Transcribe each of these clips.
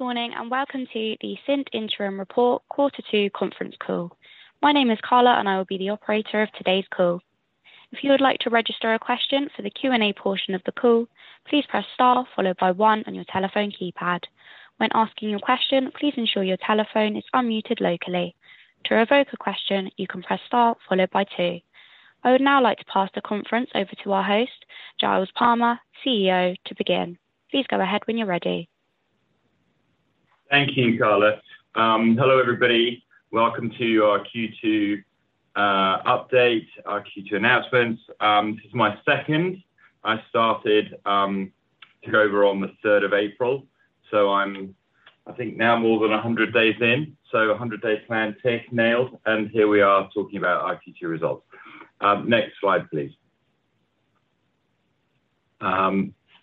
Good morning, and welcome to the Cint Interim Report Quarter Two conference call. My name is Carla, and I will be the Operator of today's call. If you would like to register a question for the Q&A portion of the call, please press star followed by one on your telephone keypad. When asking your question, please ensure your telephone is unmuted locally. To revoke a question, you can press star followed by two. I would now like to pass the conference over to our host, Giles Palmer, CEO, to begin. Please go ahead when you're ready. Thank you, Carla. Hello, everybody. Welcome to our Q2 update, our Q2 announcements. This is my second. I started, took over on the 3rd of April, I'm, I think, now more than 100 days in, a 100 days plan tick, nailed, and here we are talking about our Q2 results. Next slide, please.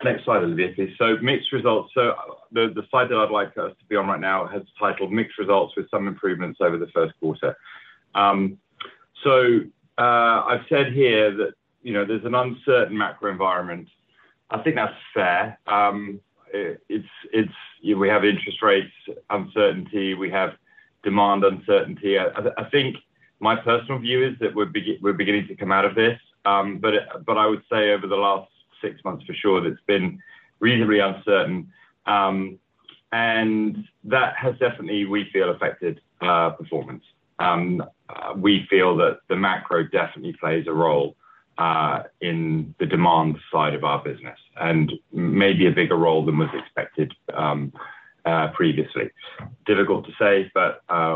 Next slide, Olivier, please. Mixed results. The slide that I'd like us to be on right now has titled Mixed Results with some improvements over the first quarter. I've said here that, you know, there's an uncertain macro environment. I think that's fair. We have interest rates, uncertainty, we have demand uncertainty. I think my personal view is that we're beginning to come out of this. I would say over the last six months, for sure, that's been reasonably uncertain. That has definitely, we feel, affected our performance. We feel that the macro definitely plays a role in the demand side of our business, and maybe a bigger role than was expected previously. Difficult to say.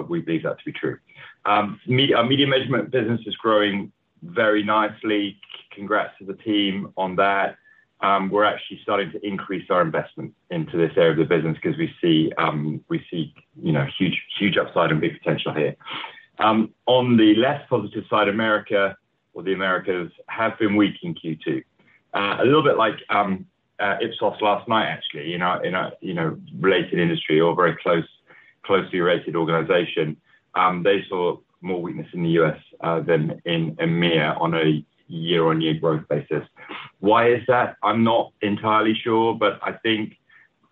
We believe that to be true. Our Media Measurement business is growing very nicely. Congrats to the team on that. We're actually starting to increase our investment into this area of the business because we see, you know, huge upside and big potential here. On the less positive side, America or the Americas, have been weak in Q2. A little bit like Ipsos last night, actually, in a, in a, you know, related industry or very closely related organization. They saw more weakness in the U.S. than in EMEA on a YoY growth basis. Why is that? I'm not entirely sure, but I think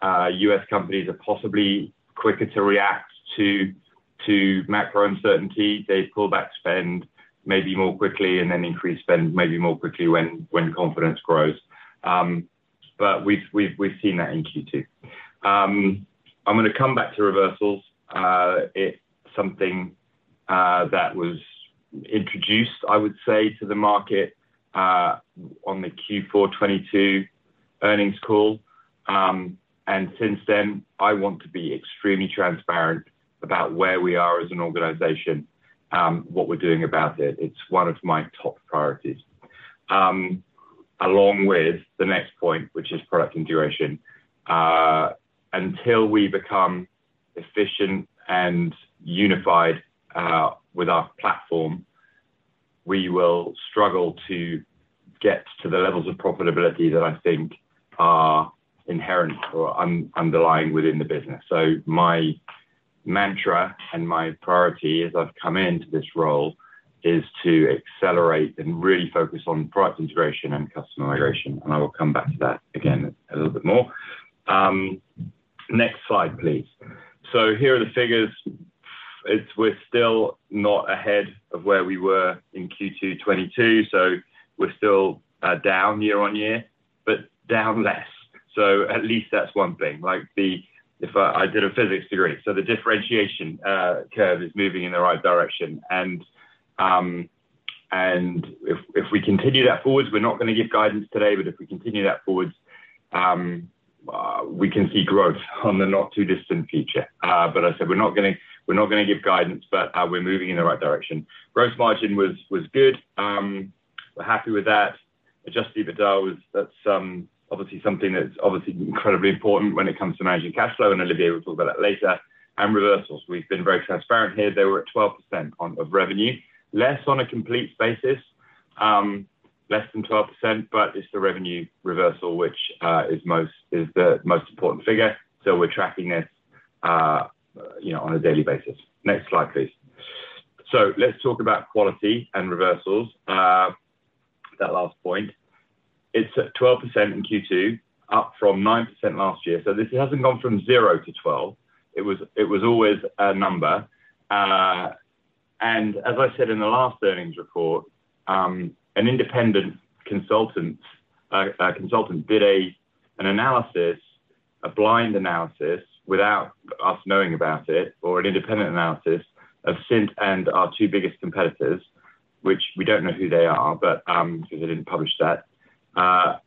U.S. companies are possibly quicker to react to macro uncertainty. They pull back spend maybe more quickly and then increase spend maybe more quickly when confidence grows. We've seen that in Q2. I'm gonna come back to reversals. It's something that was introduced, I would say, to the market on the Q4 2022 earnings call. Since then, I want to be extremely transparent about where we are as an organization, what we're doing about it. It's one of my top priorities. Along with the next point, which is product integration. Until we become efficient and unified with our platform, we will struggle to get to the levels of profitability that I think are inherent or underlying within the business. My mantra and my priority as I've come into this role, is to accelerate and really focus on product integration and customer migration, and I will come back to that again a little bit more. Next slide, please. Here are the figures. We're still not ahead of where we were in Q2 2022, we're still down year-on-year, but down less. At least that's one thing. If I did a physics degree, the differentiation curve is moving in the right direction. If, if we continue that forwards, we're not gonna give guidance today, but if we continue that forwards, we can see growth on the not-too-distant future. I said we're not gonna, we're not gonna give guidance, but we're moving in the right direction. Gross margin was good, we're happy with that. Adjusted EBITDA was. That's obviously something that's obviously incredibly important when it comes to managing cash flow, and Olivier will talk about that later. Reversals, we've been very transparent here. They were at 12% on, of revenue, less on a complete basis, less than 12%, but it's the revenue reversal which is the most important figure, so we're tracking it, you know, on a daily basis. Next slide, please. Let's talk about quality and reversals, that last point. It's at 12% in Q2, up from 9% last year. This hasn't gone from zero to 12. It was always a number. As I said in the last earnings report, a consultant did an analysis, a blind analysis, without us knowing about it, or an independent analysis of Cint and our two biggest competitors, which we don't know who they are, but because they didn't publish that,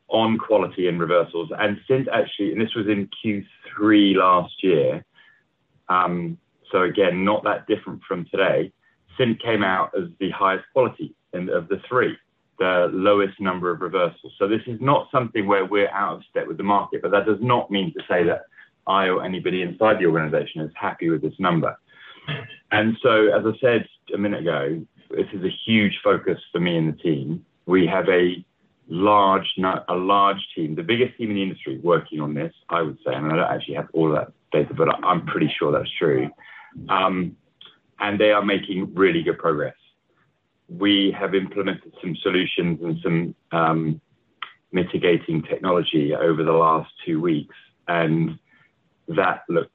on quality and reversals. Cint, actually. This was in Q3 last year, again, not that different from today. Cint came out as the highest quality of the three, the lowest number of reversals. This is not something where we're out of step with the market, but that does not mean to say that I or anybody inside the organization is happy with this number. As I said a minute ago, this is a huge focus for me and the team. We have a large team, the biggest team in the industry, working on this, I would say, and I don't actually have all that data, but I'm pretty sure that's true. They are making really good progress. We have implemented some solutions and some mitigating technology over the last two weeks, and that looks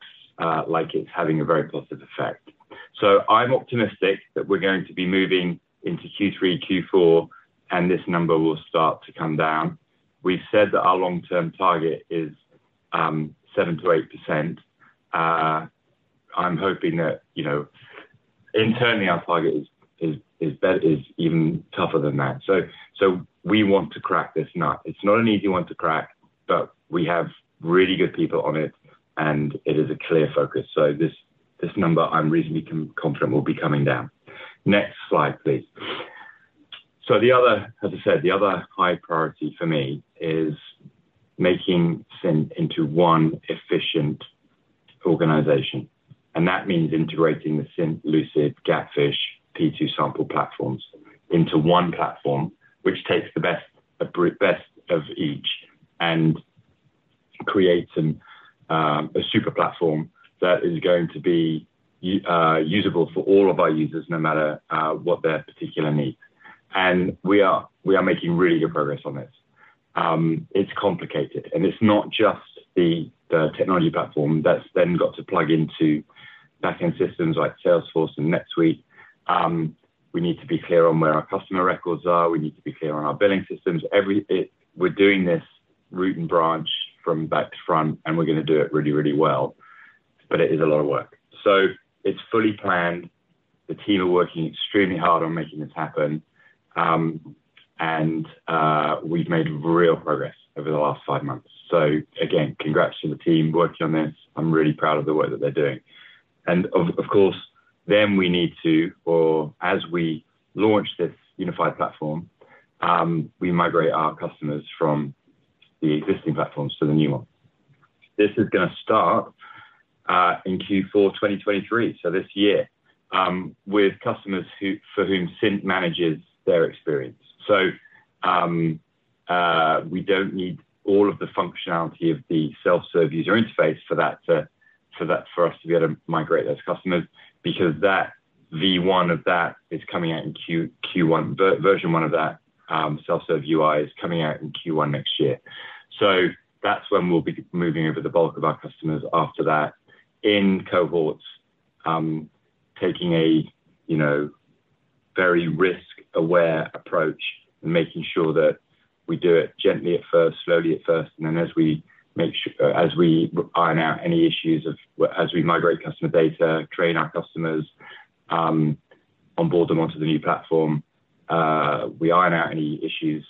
like it's having a very positive effect. I'm optimistic that we're going to be moving into Q3, Q4, and this number will start to come down. We've said that our long-term target is 7%-8%. I'm hoping that, you know, internally, our target is, is better, is even tougher than that. We want to crack this nut. It's not an easy one to crack, but we have really good people on it, and it is a clear focus. This number, I'm reasonably confident will be coming down. Next slide, please. The other, as I said, the other high priority for me is making Cint into one efficient organization, and that means integrating the Cint, Lucid, GapFish, P2Sample platforms into one platform, which takes the best of each and creates a super platform that is going to be usable for all of our users, no matter what their particular needs. We are making really good progress on this. It's complicated, it's not just the technology platform that's then got to plug into backend systems like Salesforce and NetSuite. We need to be clear on where our customer records are. We need to be clear on our billing systems. We're doing this root and branch from back to front, we're gonna do it really, really well, but it is a lot of work. It's fully planned. The team are working extremely hard on making this happen, we've made real progress over the last five months. Again, congrats to the team working on this. I'm really proud of the work that they're doing. Of course, then we need to, or as we launch this unified platform, we migrate our customers from the existing platforms to the new one. This is gonna start in Q4 2023, so this year, with customers who, for whom Cint manages their experience. We don't need all of the functionality of the self-serve user interface for that, for that for us to be able to migrate those customers, because that, V1 of that is coming out in Q1. Version one of that self-serve UI is coming out in Q1 next year. That's when we'll be moving over the bulk of our customers after that in cohorts, taking a, you know, very risk-aware approach and making sure that we do it gently at first, slowly at first, and then as we make sure... As we iron out any issues, as we migrate customer data, train our customers, onboard them onto the new platform, we iron out any issues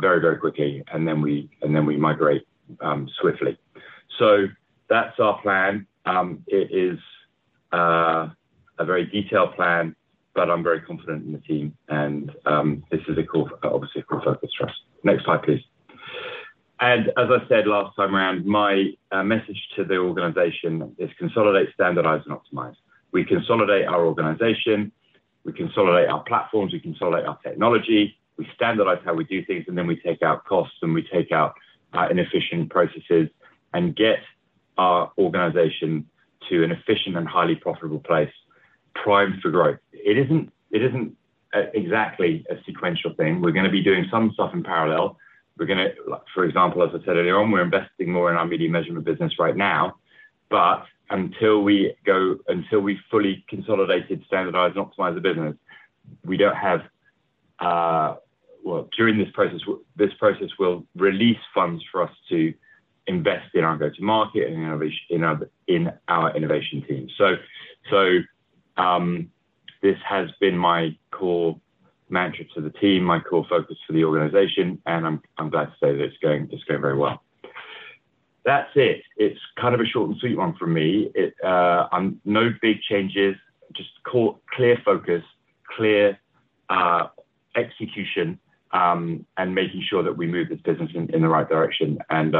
very quickly, and then we migrate swiftly. That's our plan. It is a very detailed plan, but I'm very confident in the team, this is obviously a core focus for us. Next slide, please. As I said last time around, my message to the organization is consolidate, standardize, and optimize. We consolidate our organization, we consolidate our platforms, we consolidate our technology, we standardize how we do things, and then we take out costs, and we take out our inefficient processes and get our organization to an efficient and highly profitable place, primed for growth. It isn't exactly a sequential thing. We're gonna be doing some stuff in parallel. We're gonna, like, for example, as I said earlier on, we're investing more in our Media Measurement business right now, but until we've fully consolidated, standardized, and optimized the business, we don't have. Well, during this process, this process will release funds for us to invest in our go-to-market and in our innovation team. This has been my core mantra to the team, my core focus to the organization, and I'm glad to say that it's going very well. That's it. It's kind of a short and sweet one from me. I'm no big changes, just core, clear focus, clear execution, and making sure that we move this business in the right direction. I'm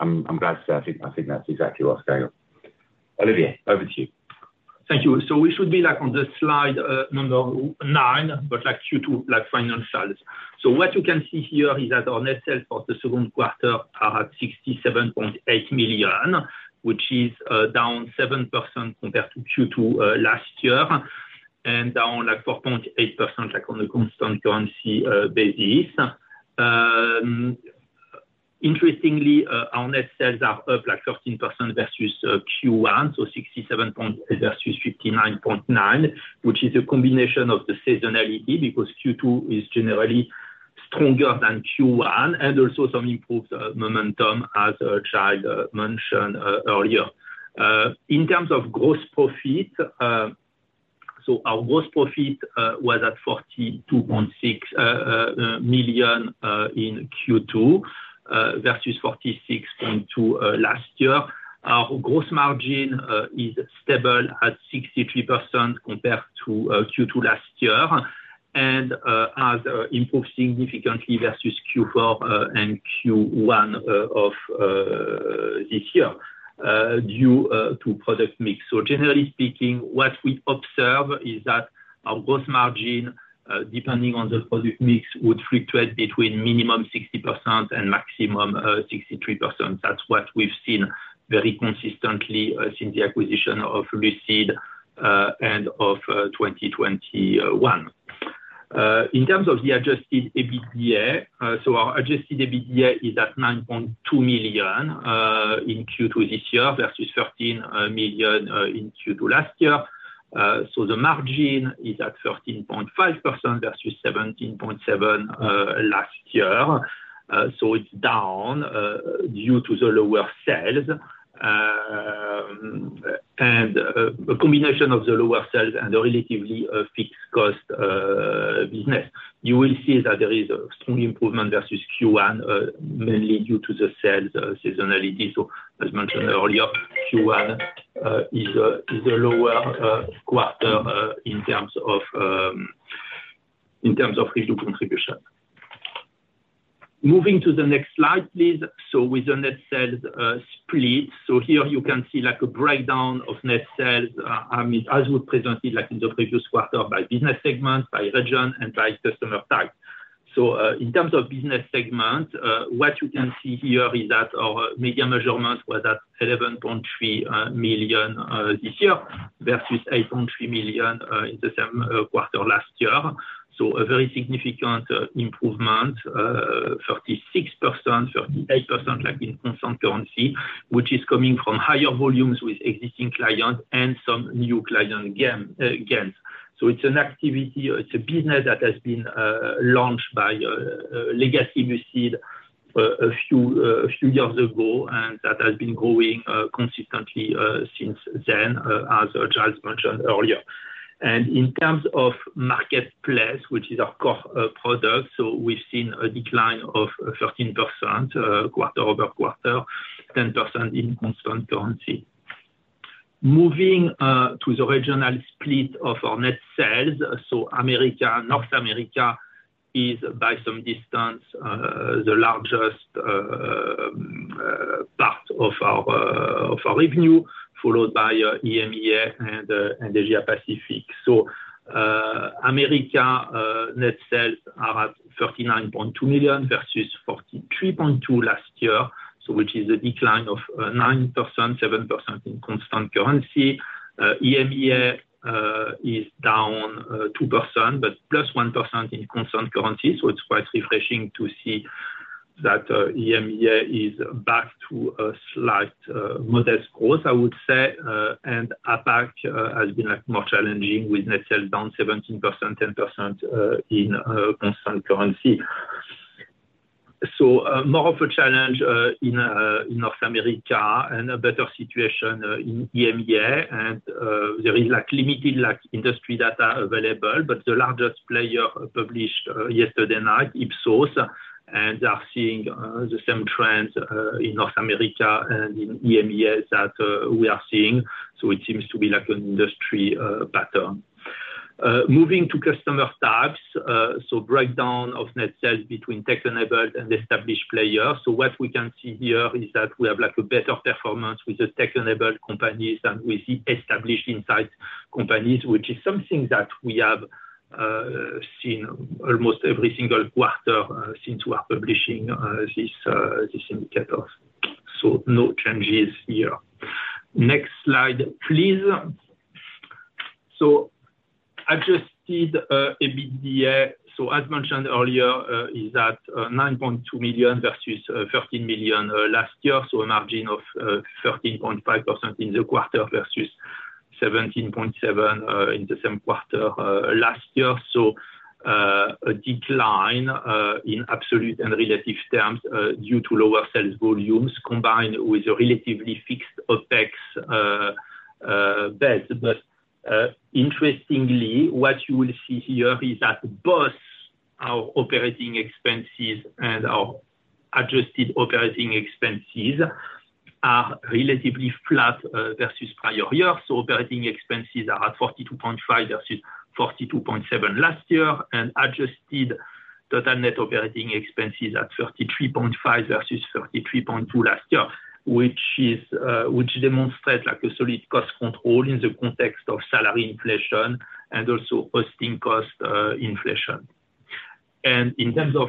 glad to say, I think that's exactly what's going on. Olivier, over to you. Thank you. We should be on the slide number nine, Q2 financials. What you can see here is that our net sales for the second quarter are at 67.8 million, which is down 7% compared to Q2 last year, and down 4.8% on a constant currency basis. Interestingly, our net sales are up 13% versus Q1, 67.8 million versus 59.9 million, which is a combination of the seasonality because Q2 is generally stronger than Q1 and also some improved momentum, as Giles mentioned earlier. In terms of gross profit, our gross profit was at 42.6 million in Q2 versus 46.2 million last year. Our gross margin is stable at 63% compared to Q2 last year and has improved significantly versus Q4 and Q1 of this year due to product mix. Generally speaking, what we observe is that our gross margin, depending on the product mix, would fluctuate between minimum 60% and maximum 63%. That's what we've seen very consistently since the acquisition of Lucid end of 2021. In terms of the Adjusted EBITDA, our Adjusted EBITDA is at 9.2 million in Q2 this year versus 13 million in Q2 last year. The margin is at 13.5% versus 17.7% last year. It's down due to the lower sales. A combination of the lower sales and the relatively fixed cost business. You will see that there is a strong improvement versus Q1, mainly due to the sales seasonality. As mentioned earlier, Q1 is a lower quarter in terms of revenue contribution. Moving to the next slide, please. With the net sales split. Here you can see like a breakdown of net sales, I mean, as we presented, like in the previous quarter, by business segment, by region and by customer type. In terms of business segment, what you can see here is that our Media Measurement were at 11.3 million this year versus 8.3 million in the same quarter last year. A very significant improvement, 36%, 38% like in constant currency, which is coming from higher volumes with existing clients and some new client gains. It's an activity, or it's a business that has been launched by legacy, we see a few years ago, and that has been growing consistently since then, as Giles mentioned earlier. In terms of marketplace, which is our core product, we've seen a decline of 13% QoQ, 10% in constant currency. Moving to the regional split of our net sales. America, North America is by some distance the largest part of our revenue, followed by EMEA and Asia Pacific. Americas net sales are at 39.2 million versus 43.2 million last year, which is a decline of 9%, 7% in constant currency. EMEA is down 2%, but +1% in constant currency, it's quite refreshing to see that EMEA is back to a slight modest growth, I would say. And APAC has been like more challenging with net sales down 17%, 10% in constant currency. More of a challenge in North America and a better situation in EMEA and there is like limited like industry data available, but the largest player published yesterday night, Ipsos, and are seeing the same trend in North America and in EMEA that we are seeing. It seems to be like an industry pattern. Moving to customer types, breakdown of net sales between tech-enabled and established players. What we can see here is that we have like a better performance with the tech-enabled companies than with the established insight companies, which is something that we have seen almost every single quarter since we are publishing this indicator. No changes here. Next slide, please. Adjusted EBITDA, as mentioned earlier, is at 9.2 million versus 13 million last year. A margin of 13.5% in the quarter versus 17.7% in the same quarter last year. A decline in absolute and relative terms due to lower sales volumes, combined with a relatively fixed OpEx base. Interestingly, what you will see here is that both our operating expenses and our Adjusted operating expenses are relatively flat versus prior year. Operating expenses are at 42.5 versus 42.7 last year, and Adjusted total net operating expenses at 33.5 versus 33.2 last year, which demonstrate like a solid cost control in the context of salary inflation and also hosting cost inflation. In terms of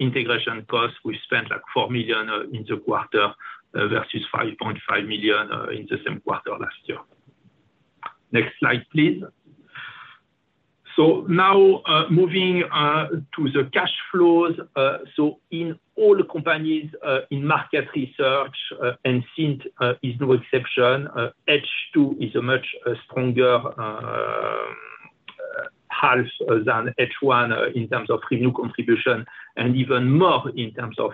integration costs, we spent like 4 million in the quarter versus 5.5 million in the same quarter last year. Next slide, please. Now moving to the cash flows. In all companies, in market research, and Cint is no exception, H2 is a much stronger half than H1 in terms of revenue contribution, and even more in terms of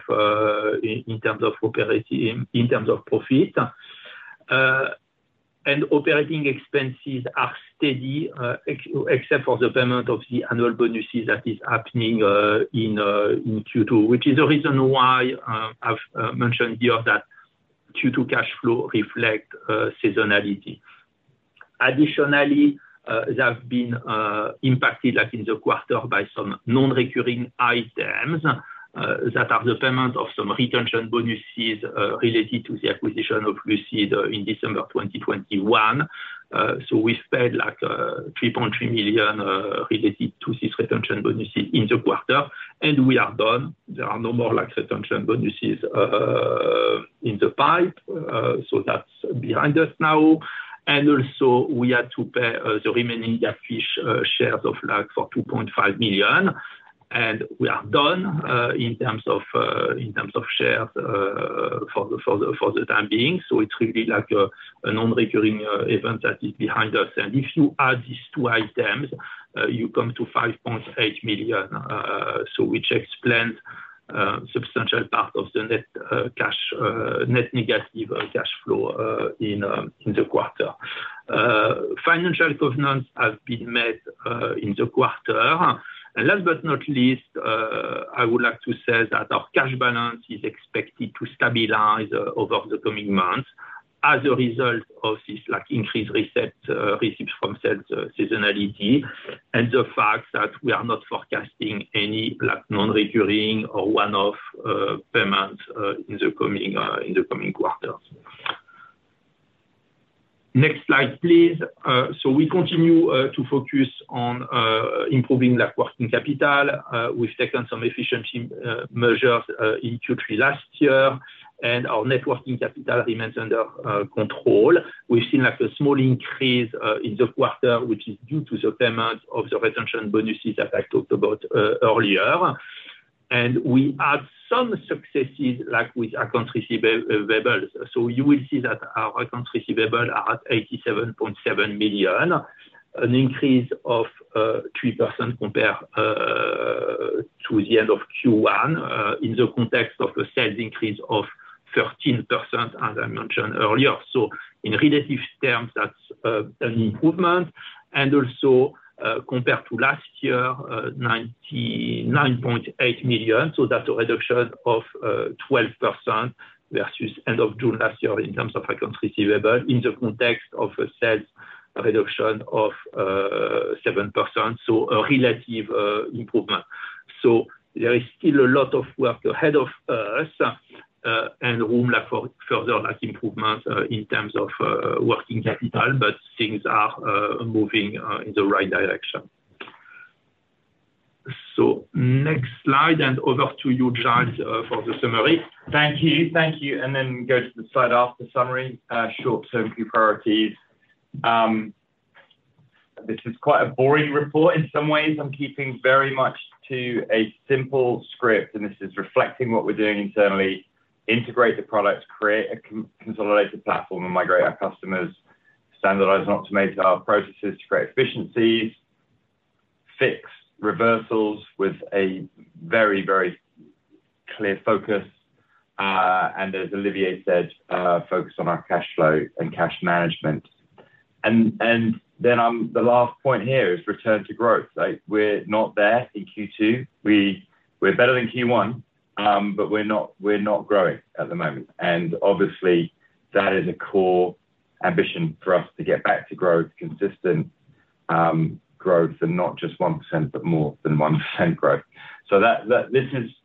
profit. Operating expenses are steady, except for the payment of the annual bonuses that is happening in Q2, which is the reason why I've mentioned here that Q2 cash flow reflect seasonality. Additionally, they have been impacted, like in the quarter by some non-recurring items that are the payment of some retention bonuses related to the acquisition of Lucid in December 2021. We spent like, 3.3 million related to these retention bonuses in the quarter, and we are done. There are no more like retention bonuses in the pipe. That's behind us now. Also we had to pay the remaining JAS Shares of, like, for 2.5 million, and we are done in terms of in terms of shares for the for the for the time being. It will be like a non-recurring event that is behind us. If you add these two items, you come to 5.8 million, so which explains substantial part of the net cash net negative cash flow in the quarter. Financial governance has been met in the quarter. Last but not least, I would like to say that our cash balance is expected to stabilize over the coming months as a result of this, like, increased reset, receipts from sales seasonality, and the fact that we are not forecasting any, like, non-recurring or one-off payments in the coming quarters. Next slide, please. We continue to focus on improving the working capital. We've taken some efficiency measures in Q3 last year, and our net working capital remains under control. We've seen, like, a small increase in the quarter, which is due to the payment of the retention bonuses that I talked about earlier. We had some successes, like, with accounts receivable. You will see that our accounts receivable are at 87.7 million, an increase of 3% compared to the end of Q1, in the context of a sales increase of 13%, as I mentioned earlier. In relative terms, that's an improvement, and also compared to last year, 99.8 million, that's a reduction of 12% versus end of June last year in terms of accounts receivable, in the context of a sales reduction of 7%, a relative improvement. There is still a lot of work ahead of us, and room left for further, like, improvements in terms of working capital, but things are moving in the right direction. Next slide, and over to you, Giles, for the summary. Thank you. Thank you. Go to the slide after summary. Sure, a few priorities. This is quite a boring report in some ways. I'm keeping very much to a simple script. This is reflecting what we're doing internally, integrate the products, create a consolidated platform, migrate our customers, standardize and automate our processes to create efficiencies, fix reversals with a very, very clear focus, as Olivier said, focus on our cash flow and cash management. The last point here is return to growth. Like, we're not there in Q2. We're better than Q1, we're not, we're not growing at the moment, obviously, that is a core ambition for us to get back to growth, consistent, growth, not just 1%, but more than 1% growth.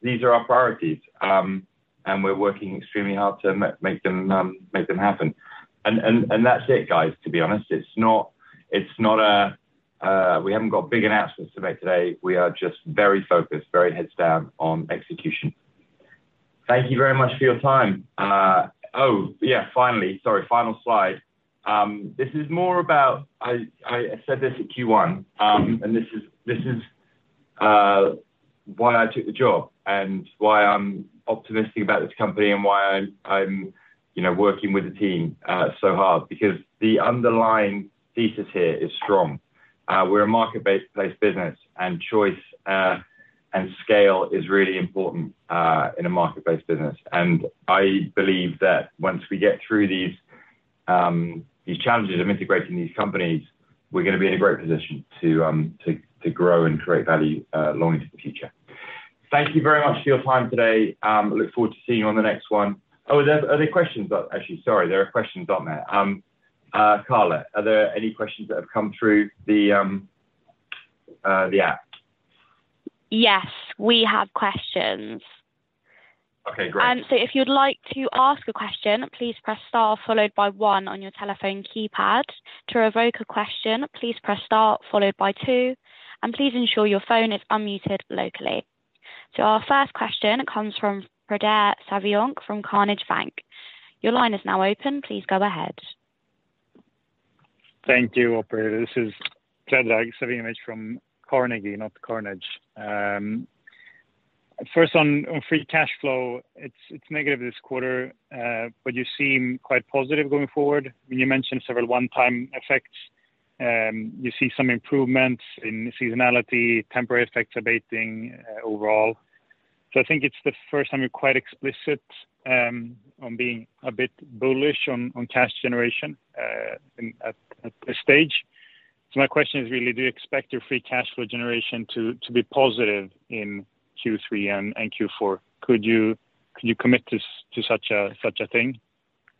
These are our priorities, and we're working extremely hard to make them happen. That's it, guys, to be honest. We haven't got big announcements to make today. We are just very focused, very heads down on execution. Thank you very much for your time. Oh, yeah, finally, sorry, final slide. This is more about I said this at Q1, and this is why I took the job and why I'm optimistic about this company and why I'm, you know, working with the team so hard because the underlying thesis here is strong. We're a market-based business, choice and scale is really important in a market-based business. I believe that once we get through these challenges of integrating these companies, we're gonna be in a great position to grow and create value long into the future. Thank you very much for your time today. Look forward to seeing you on the next one. Are there questions? Actually, sorry, there are questions on there. Carla, are there any questions that have come through the app? Yes, we have questions. Okay, great. If you'd like to ask a question, please press star followed by one on your telephone keypad. To revoke a question, please press star followed by two, and please ensure your phone is unmuted locally. Our first question comes from Fredrik Sylvan from Carnegie Bank. Your line is now open. Please go ahead. Thank you, operator. This is Fredrik Sylvan from Carnegie, not Carnegie. First on free cash flow, it's negative this quarter, but you seem quite positive going forward. When you mentioned several one-time effects, you see some improvements in seasonality, temporary effects abating, overall. I think it's the first time you're quite explicit on being a bit bullish on cash generation at this stage. My question is really, do you expect your free cash flow generation to be positive in Q3 and Q4? Could you commit to such a thing?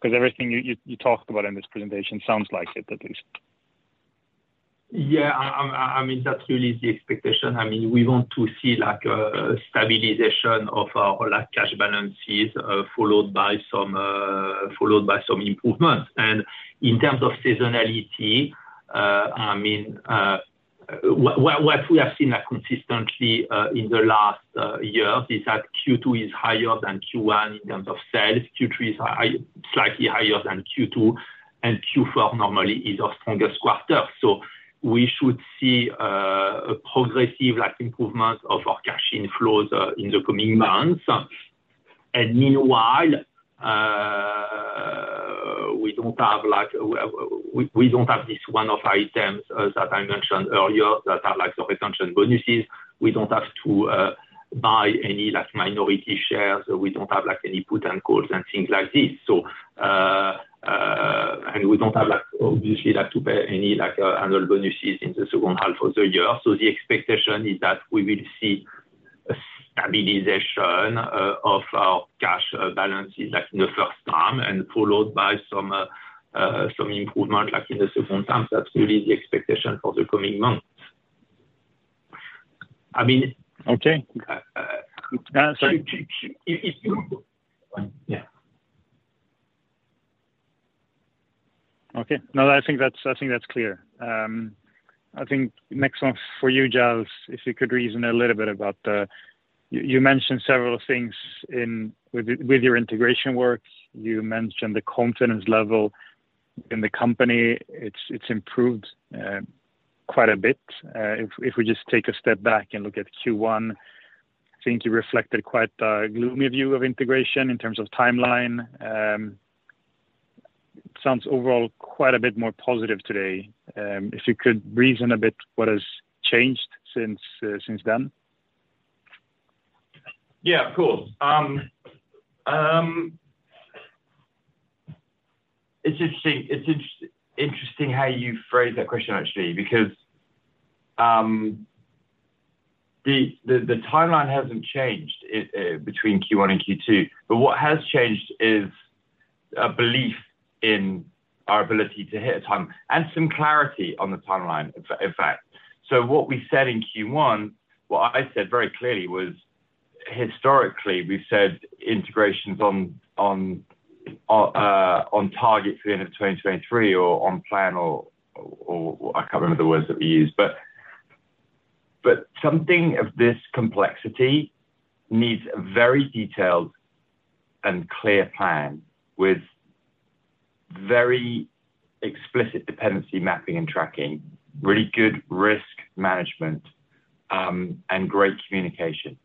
Because everything you talked about in this presentation sounds like it, at least. Yeah. I mean, that's really the expectation. I mean, we want to see like a stabilization of our, like, cash balances, followed by some improvements. In terms of seasonality, I mean, what we have seen that consistently in the last year is that Q2 is higher than Q1 in terms of sales. Q3 is slightly higher than Q2, and Q4 normally is our strongest quarter. We should see a progressive, like, improvement of our cash inflows in the coming months. Meanwhile, we don't have like, we don't have this one-off items that I mentioned earlier, that are like the retention bonuses. We don't have to buy any, like, minority shares. We don't have, like, any put and calls and things like this. We don't have, like, obviously, like, to pay any, like, annual bonuses in the second half of the year. The expectation is that we will see a stabilization of our cash balances, like, in the first term and followed by some some improvement like in the second term. That's really the expectation for the coming months. I mean. Okay. Uh, uh- sorry. Yeah. Okay. No, I think that's, I think that's clear. I think next one for you, Giles, if you could reason a little bit about you mentioned several things in with your integration work. You mentioned the confidence level in the company, it's improved quite a bit. If we just take a step back and look at Q1, I think you reflected quite a gloomy view of integration in terms of timeline. Sounds overall quite a bit more positive today. If you could reason a bit what has changed since then? Yeah, of course. It's interesting how you phrased that question, actually, because the timeline hasn't changed between Q1 and Q2, but what has changed is a belief in our ability to hit a timeline and some clarity on the timeline, in fact. What we said in Q1, what I said very clearly was, historically, we've said integrations on target for the end of 2023 or on plan or I can't remember the words that we used, but something of this complexity needs a very detailed and clear plan with very explicit dependency mapping and tracking, really good risk management, and great communication.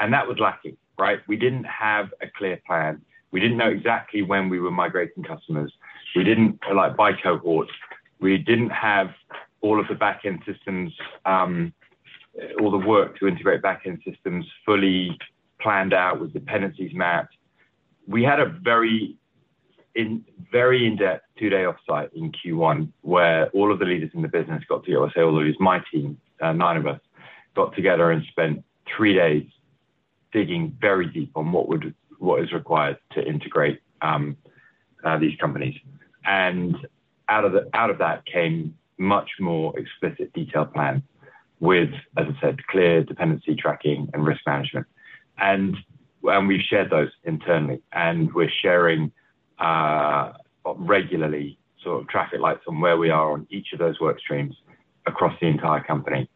That was lacking, right? We didn't have a clear plan. We didn't know exactly when we were migrating customers. We didn't like by cohorts. We didn't have all of the back-end systems, all the work to integrate back-end systems fully planned out with dependencies mapped. We had a very in-depth two-day offsite in Q1, where all of the leaders in the business got together, so it was my team, nine of us, got together and spent three days digging very deep on what would, what is required to integrate these companies. Out of that came much more explicit detailed plan with, as I said, clear dependency tracking and risk management. We've shared those internally, and we're sharing regularly, sort of traffic lights on where we are on each of those work streams across the entire company.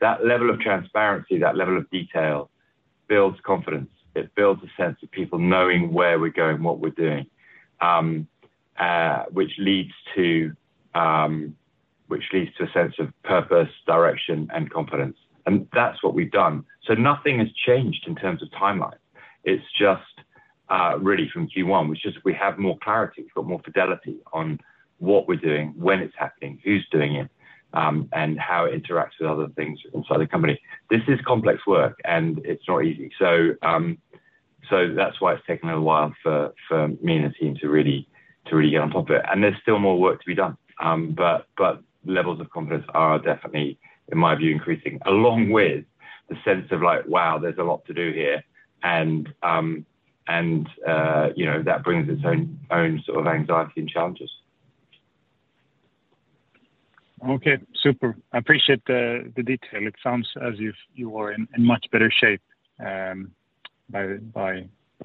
That level of transparency, that level of detail, builds confidence. It builds a sense of people knowing where we're going, what we're doing, which leads to a sense of purpose, direction, and confidence. That's what we've done. Nothing has changed in terms of timelines. It's just really from Q1, which is we have more clarity. We've got more fidelity on what we're doing, when it's happening, who's doing it, and how it interacts with other things inside the company. This is complex work, and it's not easy. That's why it's taken a little while for me and the team to really get on top of it. There's still more work to be done. But levels of confidence are definitely, in my view, increasing, along with the sense of like, wow, there's a lot to do here. You know, that brings its own sort of anxiety and challenges. Okay, super. I appreciate the detail. It sounds as if you are in much better shape by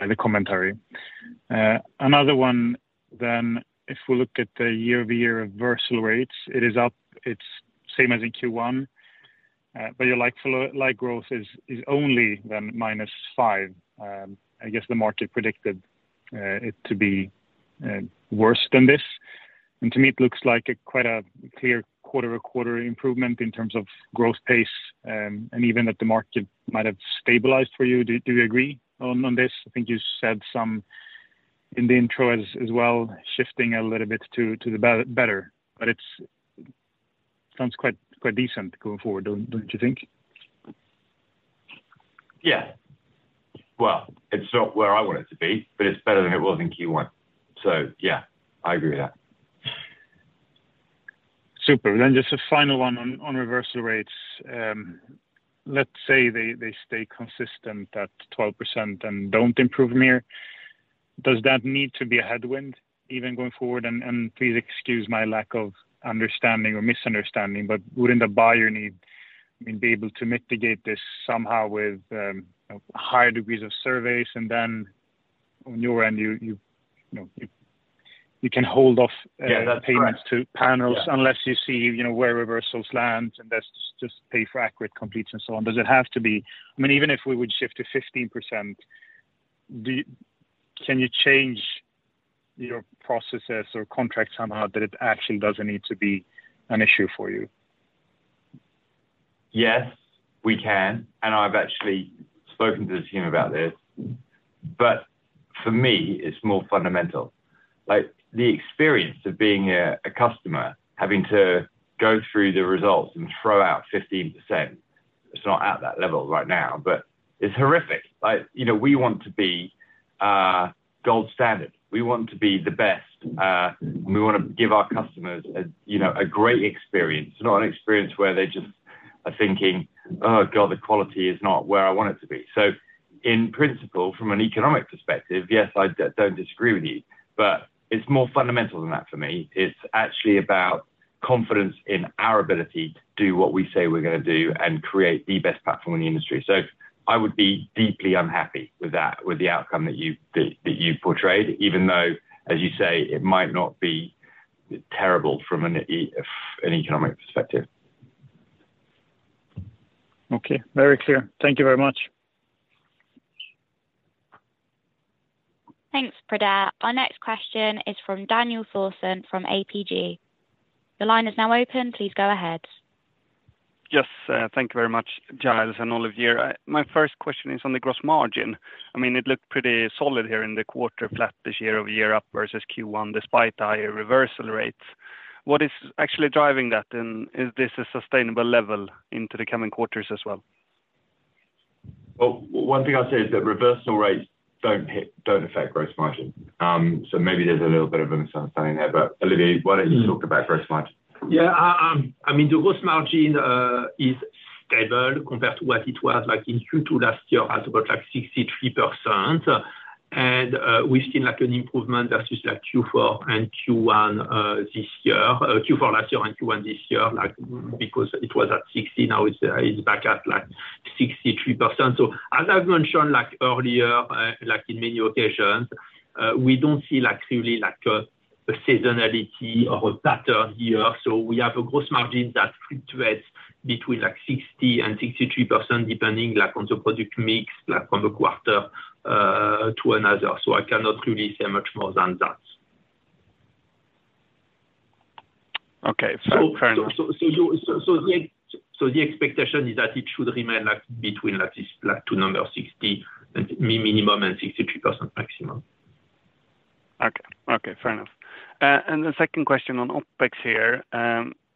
the commentary. Another one, if we look at the YoY reversal rates, it is up. It's same as in Q1, but your like for like growth is only -5%. I guess the market predicted it to be worse than this. To me, it looks like a quite a clear QoQ improvement in terms of growth pace, and even that the market might have stabilized for you. Do you agree on this? I think you said some in the intro as well, shifting a little bit to the better, but it sounds quite decent going forward, don't you think? Well, it's not where I want it to be, but it's better than it was in Q1. Yeah, I agree with that. Super. just a final one on reversal rates. let's say they stay consistent at 12% and don't improve more. Does that need to be a headwind even going forward? please excuse my lack of understanding or misunderstanding, but wouldn't the buyer need, I mean, be able to mitigate this somehow with higher degrees of surveys, and then on your end, you know, you can hold off- Yeah, that's correct. Payments to panels. Yeah. unless you see, you know, where reversals land, investors just pay for accurate completes and so on. Does it have to be, I mean, even if we would shift to 15%, can you change your processes or contracts somehow that it actually doesn't need to be an issue for you? Yes, we can. I've actually spoken to the team about this. For me, it's more fundamental. Like, the experience of being a customer, having to go through the results and throw out 15%, it's not at that level right now, but it's horrific. Like, you know, we want to be a gold standard. We want to be the best. We wanna give our customers a, you know, a great experience, not an experience where they just are thinking: Oh God, the quality is not where I want it to be. In principle, from an economic perspective, yes, I don't disagree with you, but it's more fundamental than that for me. It's actually about confidence in our ability to do what we say we're gonna do and create the best platform in the industry. I would be deeply unhappy with that, with the outcome that you portrayed, even though, as you say, it might not be terrible from an economic perspective. Okay, very clear. Thank you very much. Thanks, Fred. Our next question is from Daniel Thorson, from ABG. The line is now open. Please go ahead. Yes, thank you very much, Giles and Olivier. My first question is on the gross margin. I mean, it looked pretty solid here in the quarter, flat this YoY up versus Q1, despite the higher reversal rates. What is actually driving that, and is this a sustainable level into the coming quarters as well? One thing I'll say is that reversal rates don't affect gross margin. Maybe there's a little bit of understanding there. Olivier, why don't you talk about gross margin? I mean, the gross margin is stable compared to what it was like in Q2 last year at about 63%. We've seen, like, an improvement versus, like, Q4 and Q1 this year. Q4 last year and Q1 this year, like, because it was at 60, now it's back at, like, 63%. As I've mentioned, like, earlier, like, in many occasions, we don't see likely, like, a seasonality or a pattern here. We have a gross margin that fluctuates between, like, 60% and 63%, depending, like, on the product mix, like, from the quarter to another. I cannot really say much more than that. Okay, fair enough. The expectation is that it should remain between this two numbers, 60%, minimum, and 63% maximum. Okay. Okay, fair enough. The second question on OpEx here.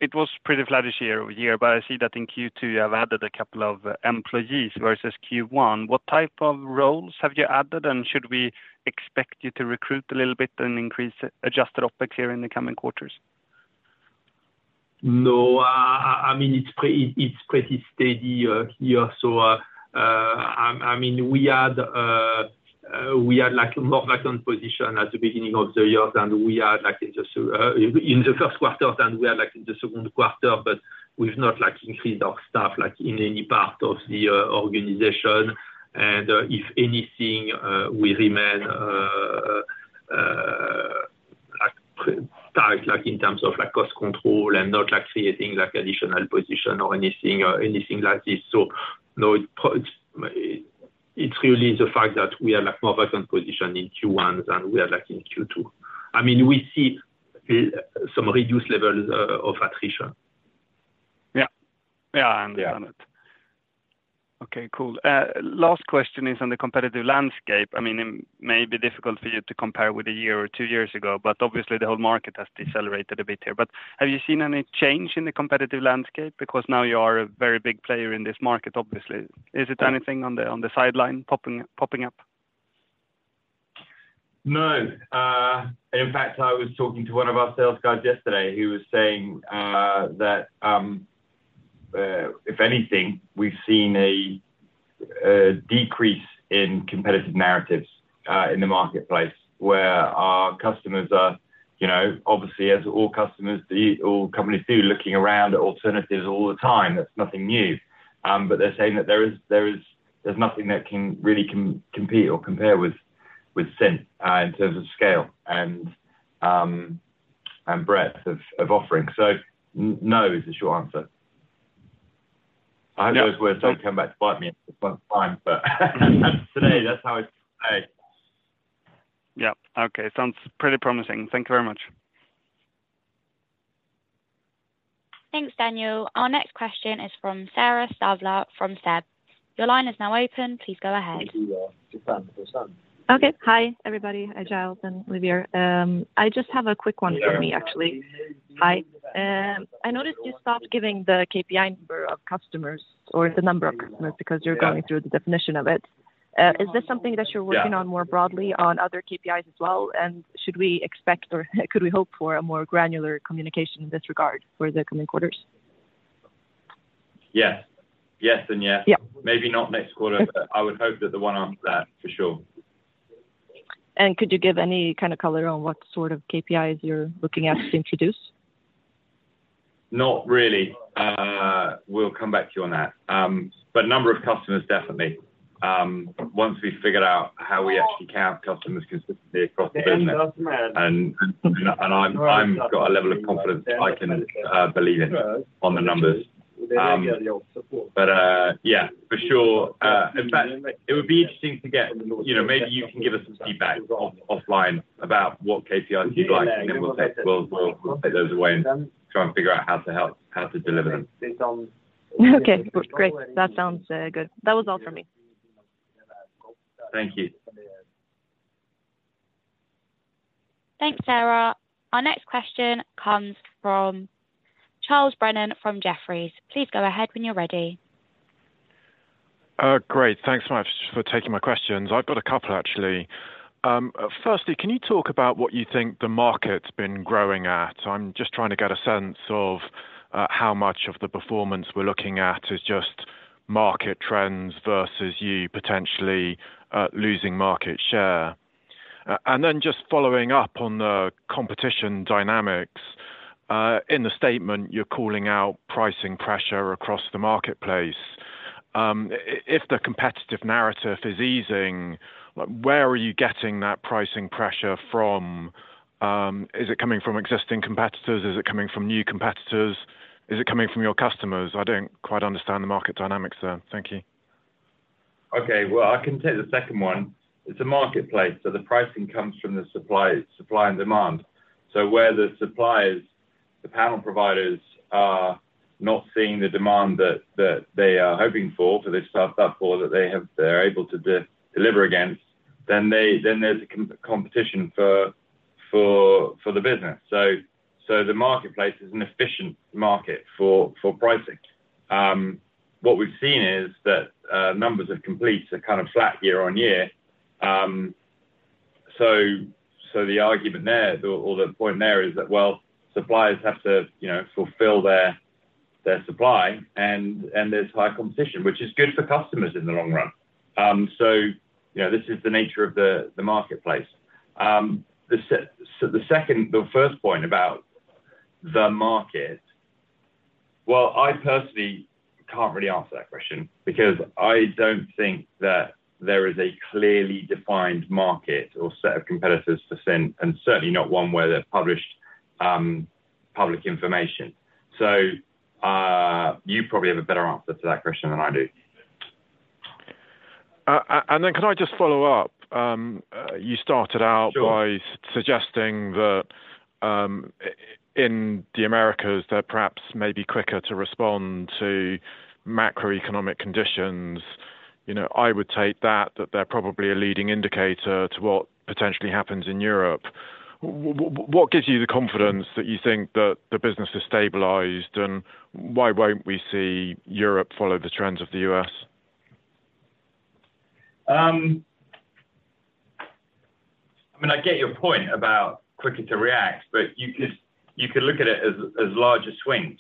It was pretty flat this YoY, but I see that in Q2, you have added a couple of employees versus Q1. What type of roles have you added, and should we expect you to recruit a little bit and increase Adjusted OpEx here in the coming quarters? No. I mean, it's pretty steady here. I mean, we had, like, more vacant position at the beginning of the year than we had, like, in the first quarter than we had, like, in the second quarter, but we've not, like, increased our staff, like, in any part of the organization. If anything, we remain, like, tight, like, in terms of, like, cost control and not, like, creating, like, additional position or anything like this. No, it's really the fact that we are, like, more vacant position in Q1 than we are, like, in Q2. I mean, we see some reduced levels of attrition. Yeah. Yeah, I understand it. Yeah. Okay, cool. Last question is on the competitive landscape. I mean, it may be difficult for you to compare with a year or two years ago, but obviously the whole market has decelerated a bit here. Have you seen any change in the competitive landscape? Because now you are a very big player in this market, obviously. Is it anything on the sideline popping up? No. In fact, I was talking to one of our sales guys yesterday. He was saying that, if anything, we've seen a decrease in competitive narratives in the marketplace, where our customers are, you know, obviously, as all customers, all companies do, looking around at alternatives all the time. That's nothing new. They're saying that there's nothing that can really compete or compare with Cint, in terms of scale and breadth of offering. No is the short answer. Yeah. I hope those words don't come back to bite me at some point in time, but today, that's how I say. Yeah, okay. Sounds pretty promising. Thank you very much. Thanks, Daniel. Our next question is from Sara Ståhl, from SEB. Your line is now open. Please go ahead. Sara, understand. Okay. Hi, everybody. Hi, Giles and Olivier. I just have a quick one for me, actually. I noticed you stopped giving the KPI number of customers or the number of customers because you're going through the definition of it. Is this something that you? Yeah... working on more broadly on other KPIs as well? Should we expect, or could we hope for a more granular communication in this regard for the coming quarters? Yes. Yes and yes. Yeah. Maybe not next quarter. Okay, I would hope that the one after that, for sure. Could you give any kind of color on what sort of KPIs you're looking at to introduce? Not really. We'll come back to you on that. Number of customers, definitely. Once we've figured out how we actually count customers consistently across the business, and I've got a level of confidence I can believe in on the numbers. Yeah, for sure. In fact, it would be interesting to get, you know, maybe you can give us some feedback offline about what KPIs you'd like, and then we'll take those away and try and figure out how to deliver them. Okay, great. That sounds good. That was all from me. Thank you. Thanks, Sara. Our next question comes from Charles Brennan from Jefferies. Please go ahead when you're ready. Great. Thanks so much for taking my questions. I've got a couple, actually. Firstly, can you talk about what you think the market's been growing at? I'm just trying to get a sense of how much of the performance we're looking at is just market trends versus you potentially losing market share. And then just following up on the competition dynamics. In the statement, you're calling out pricing pressure across the marketplace. If the competitive narrative is easing, like, where are you getting that pricing pressure from? Is it coming from existing competitors? Is it coming from new competitors? Is it coming from your customers? I don't quite understand the market dynamics there. Thank you. Okay, well, I can take the second one. It's a marketplace, so the pricing comes from the supply and demand. Where the suppliers, the panel providers, are not seeing the demand that they are hoping for, they've staffed up for, that they're able to deliver against, then there's competition for the business. The marketplace is an efficient market for pricing. What we've seen is that numbers of completes are kind of flat year-on-year. The argument there, or the point there is that, well, suppliers have to, you know, fulfill their supply, and there's high competition, which is good for customers in the long run. You know, this is the nature of the marketplace. The The first point about the market, well, I personally can't really answer that question because I don't think that there is a clearly defined market or set of competitors to Cint, and certainly not one where they're published, public information. You probably have a better answer to that question than I do. Can I just follow up? you started out- Sure. -by suggesting that, in the Americas, they're perhaps maybe quicker to respond to macroeconomic conditions. You know, I would take that they're probably a leading indicator to what potentially happens in Europe. What gives you the confidence that you think that the business is stabilized, and why won't we see Europe follow the trends of the US? I mean, I get your point about quicker to react, but you could look at it as larger swings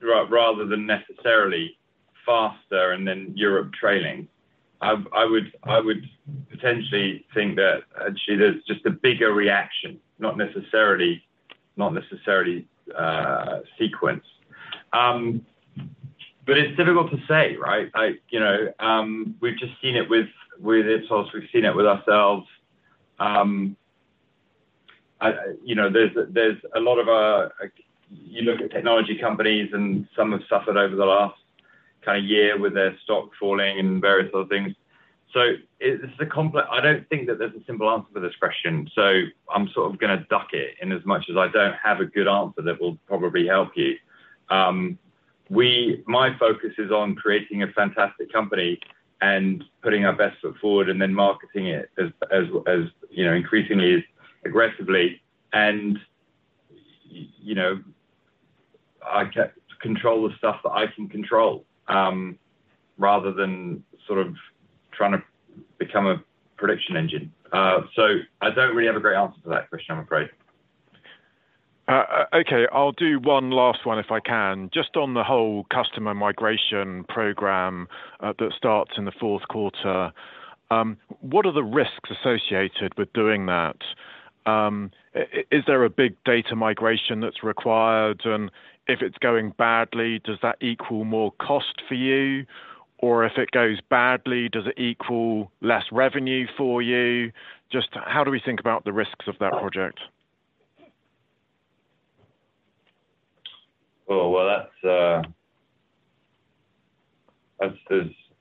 rather than necessarily faster and then Europe trailing. I would potentially think that actually there's just a bigger reaction, not necessarily sequence. It's difficult to say, right? I, you know, we've just seen it with Ipsos, we've seen it with ourselves. I, you know, there's a lot of... You look at technology companies, and some have suffered over the last kind of year with their stock falling and various other things. I don't think that there's a simple answer to this question, so I'm sort of gonna duck it in as much as I don't have a good answer that will probably help you. My focus is on creating a fantastic company and putting our best foot forward and then marketing it as, you know, increasingly, aggressively. You know, I control the stuff that I can control, rather than sort of trying to become a prediction engine. I don't really have a great answer to that question, I'm afraid. Okay, I'll do one last one if I can. On the whole customer migration program that starts in the fourth quarter, what are the risks associated with doing that? Is there a big data migration that's required? If it's going badly, does that equal more cost for you? If it goes badly, does it equal less revenue for you? How do we think about the risks of that project?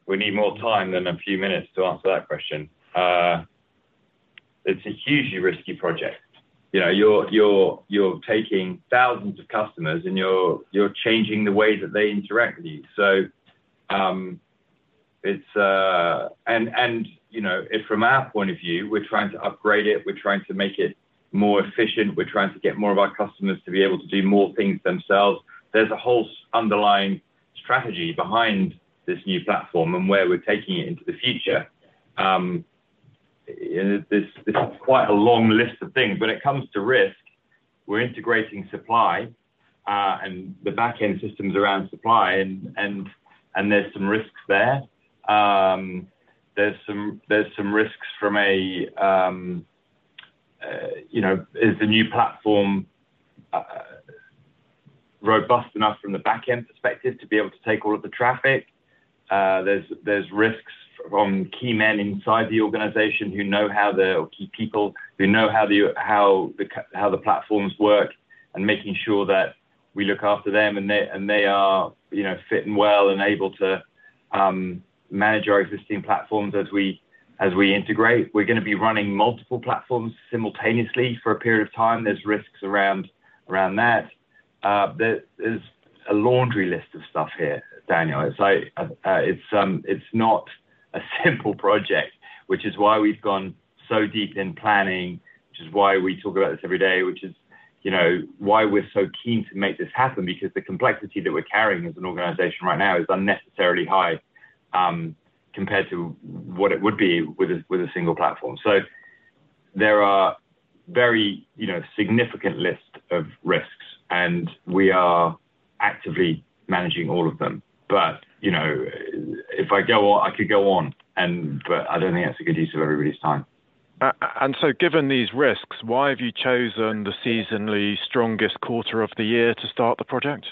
We need more time than a few minutes to answer that question. It's a hugely risky project. You know, you're, you're taking thousands of customers, and you're changing the way that they interact with you. You know, from our point of view, we're trying to upgrade it, we're trying to make it more efficient, we're trying to get more of our customers to be able to do more things themselves. There's a whole underlying strategy behind this new platform and where we're taking it into the future. It, there's quite a long list of things. When it comes to risk, we're integrating supply, and the back-end systems around supply, and there's some risks there. There's some risks from a... you know, is the new platform robust enough from the back-end perspective to be able to take all of the traffic? There's risks from key men inside the organization who know or key people who know how the platforms work, and making sure that we look after them, and they are, you know, fit and well, and able to manage our existing platforms as we integrate. We're gonna be running multiple platforms simultaneously for a period of time. There's risks around that. There is a laundry list of stuff here, Daniel. It's like, it's not a simple project, which is why we've gone so deep in planning, which is why we talk about this every day, which is, you know, why we're so keen to make this happen, because the complexity that we're carrying as an organization right now is unnecessarily high compared to what it would be with a, with a single platform. There are very, you know, significant list of risks, and we are actively managing all of them. You know, if I go on, I could go on, and but I don't think that's a good use of everybody's time. Given these risks, why have you chosen the seasonally strongest quarter of the year to start the project?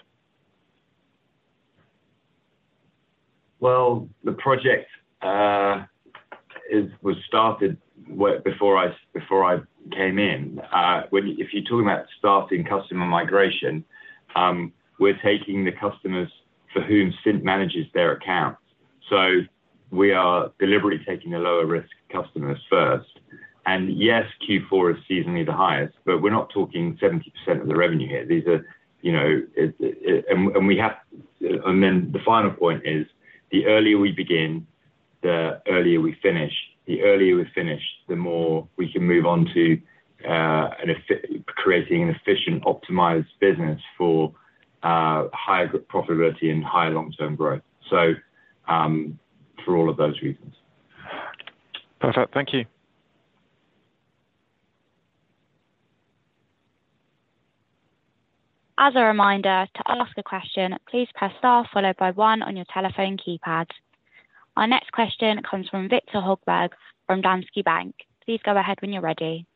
Well, the project was started way before I came in. If you're talking about starting customer migration, we're taking the customers for whom Cint manages their accounts. We are deliberately taking the lower risk customers first. Yes, Q4 is seasonally the highest, but we're not talking 70% of the revenue here. These are, you know, the final point is, the earlier we begin, the earlier we finish. The earlier we finish, the more we can move on to creating an efficient, optimized business for higher profitability and higher long-term growth. For all of those reasons. Perfect. Thank you. As a reminder, to ask a question, please press star followed by one on your telephone keypad. Our next question comes from Viktor Högberg, from Danske Bank. Please go ahead when you're ready.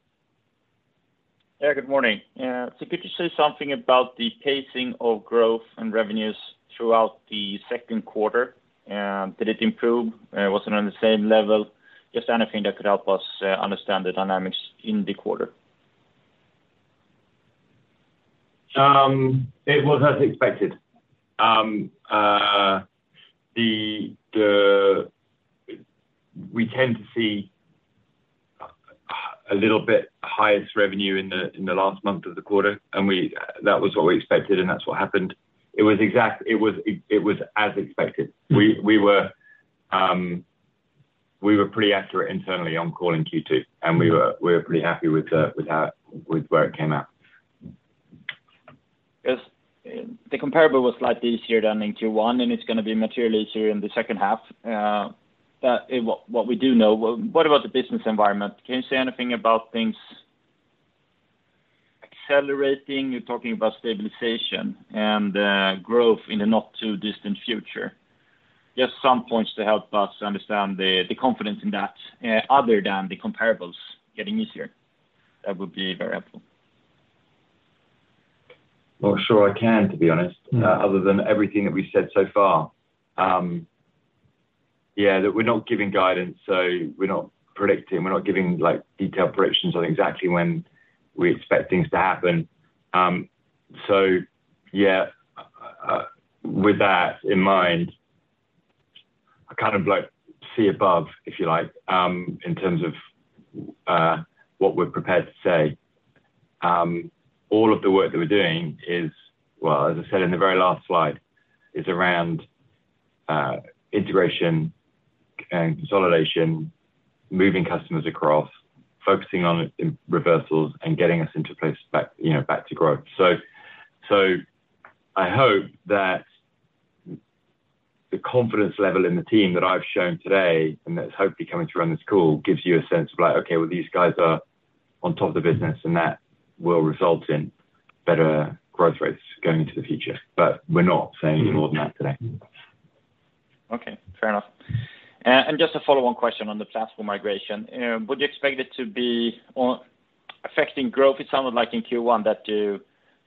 Yeah, good morning. Could you say something about the pacing of growth and revenues throughout the second quarter? Did it improve? Was it on the same level? Just anything that could help us understand the dynamics in the quarter. It was as expected. We tend to see a little bit highest revenue in the last month of the quarter, and that was what we expected, and that's what happened. It was as expected. Mm-hmm. We were pretty accurate internally on calling Q2, and we were pretty happy with how, with where it came out. Yes. The comparable was slightly easier than in Q1, and it's gonna be materially easier in the second half. What we do know, well, what about the business environment? Can you say anything about things accelerating? You're talking about stabilization and growth in the not-too-distant future. Just some points to help us understand the confidence in that, other than the comparables getting easier. That would be very helpful. Not sure I can, to be honest. Mm. other than everything that we've said so far. Yeah, that we're not giving guidance, we're not predicting, we're not giving, like, detailed predictions on exactly when we expect things to happen. Yeah, with that in mind, I kind of like see above, if you like, in terms of what we're prepared to say. All of the work that we're doing. Well, as I said in the very last slide, is around integration and consolidation, moving customers across, focusing on reversals, and getting us into places back, you know, back to growth. I hope that the confidence level in the team that I've shown today, and that's hopefully coming through on this call, gives you a sense of like, okay, well, these guys are on top of the business, and that will result in better growth rates going into the future. We're not saying anything more than that today. Okay, fair enough. Just a follow-on question on the platform migration, would you expect it to be, or affecting growth? It sounded like in Q1, that you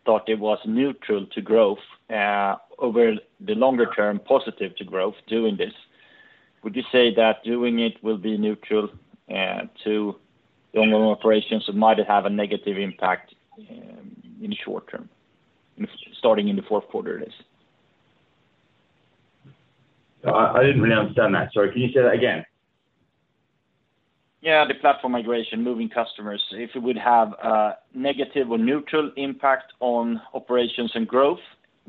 thought it was neutral to growth, over the longer term, positive to growth, doing this. Would you say that doing it will be neutral to the normal operations, or might it have a negative impact in the short term, if starting in the fourth quarter, that is? I didn't really understand that. Sorry. Can you say that again? Yeah, the platform migration, moving customers, if it would have a negative or neutral impact on operations and growth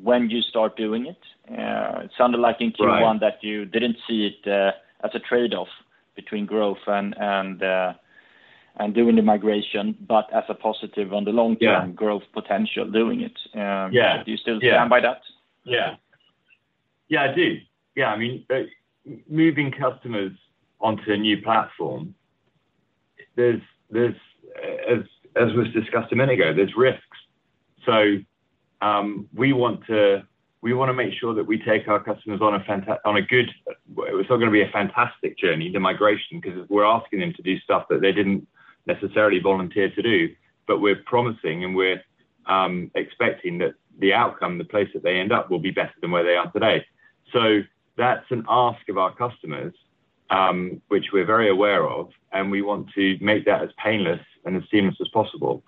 when you start doing it? It sounded like in Q1. Right. that you didn't see it, as a trade-off between growth and doing the migration, but as a positive on the long-term Yeah. growth potential, doing it. Yeah. Do you still stand by that? Yeah. Yeah, I do. I mean, moving customers onto a new platform, there's, as was discussed a minute ago, there's risks. We want to, we want to make sure that we take our customers on a good, well, it's not gonna be a fantastic journey, the migration, because we're asking them to do stuff that they didn't necessarily volunteer to do, but we're promising and we're expecting that the outcome, the place that they end up, will be better than where they are today. That's an ask of our customers, which we're very aware of, and we want to make that as painless and as seamless as possible.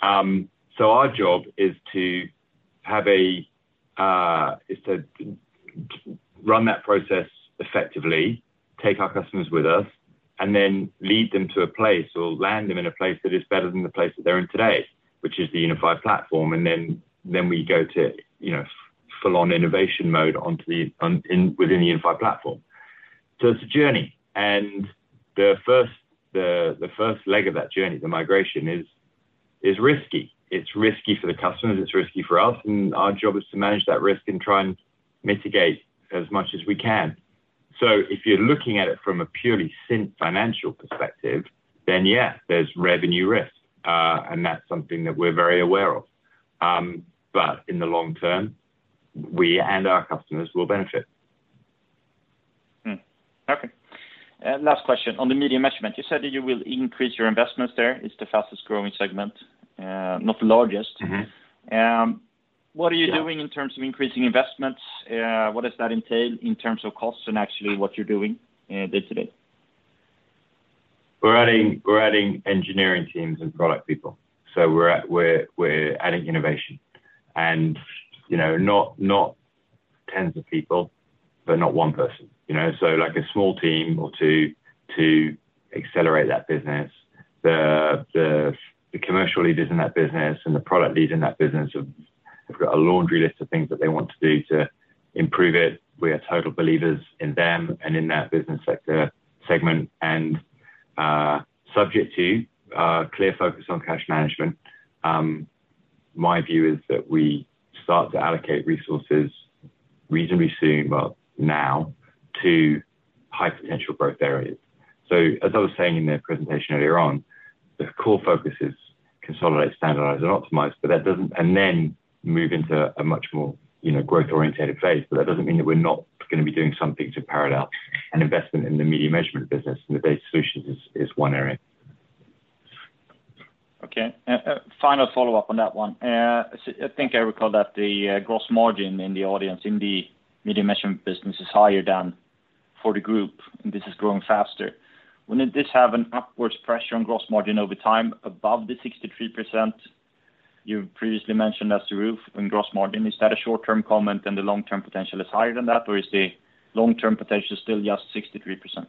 Our job is to run that process effectively, take our customers with us, and then lead them to a place or land them in a place that is better than the place that they're in today, which is the unified platform. Then we go to, you know, full-on innovation mode within the unified platform. It's a journey, and the first leg of that journey, the migration is risky. It's risky for the customers, it's risky for us, and our job is to manage that risk and try and mitigate as much as we can. If you're looking at it from a purely financial perspective, then yeah, there's revenue risk, and that's something that we're very aware of. But in the long term, we and our customers will benefit. Okay. Last question. On the Media Measurement, you said that you will increase your investments there. It's the fastest growing segment, not the largest. Mm-hmm. What are you? Yeah... in terms of increasing investments? What does that entail in terms of costs and actually what you're doing, day-to-day? We're adding engineering teams and product people. We're adding innovation and, you know, not tens of people, but not one person, you know? Like a small team or two to accelerate that business. The commercial leaders in that business and the product leads in that business have got a laundry list of things that they want to do to improve it. We are total believers in them and in that business sector segment. Subject to clear focus on cash management, my view is that we start to allocate resources reasonably soon, well, now, to high potential growth areas. As I was saying in the presentation earlier on, the core focus is consolidate, standardize, and optimize, but that doesn't and then move into a much more, you know, growth-orientated phase. That doesn't mean that we're not gonna be doing something to parallel an investment in the Media Measurement business, and the data solutions is one area. Okay. final follow-up on that one. I think I recall that the gross margin in the audience, in the Media Measurement business is higher than for the group, and this is growing faster. Wouldn't this have an upwards pressure on gross margin over time above the 63%? You previously mentioned that's the roof on gross margin. Is that a short-term comment, and the long-term potential is higher than that, or is the long-term potential still just 63%,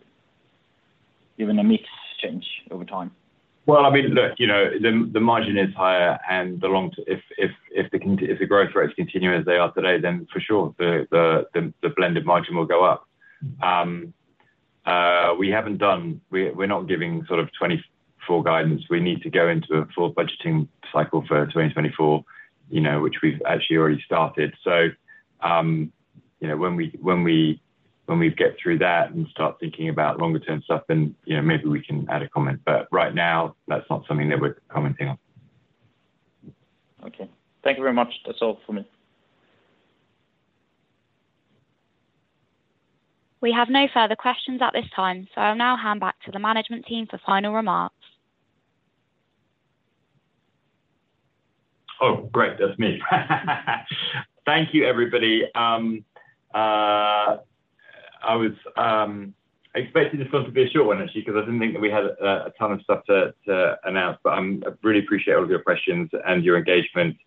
given a mix change over time? Well, I mean, look, you know, the margin is higher and if the growth rates continue as they are today, then for sure, the blended margin will go up. We're not giving sort of 2024 guidance. We need to go into a full budgeting cycle for 2024, you know, which we've actually already started. You know, when we get through that and start thinking about longer-term stuff, then, you know, maybe we can add a comment. Right now, that's not something that we're commenting on. Okay. Thank you very much. That's all for me. We have no further questions at this time, so I'll now hand back to the management team for final remarks. Oh, great! That's me. Thank you, everybody. I was, I expected this one to be a short one, actually, because I didn't think that we had a ton of stuff to announce, but I really appreciate all of your questions and your engagement.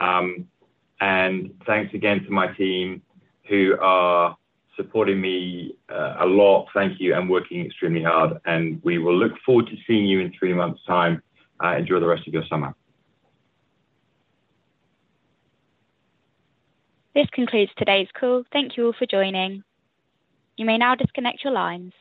Thanks again to my team who are supporting me a lot. Thank you, and working extremely hard, and we will look forward to seeing you in three months' time. Enjoy the rest of your summer. This concludes today's call. Thank you all for joining. You may now disconnect your lines.